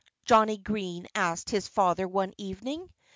Johnnie Green asked his father one evening.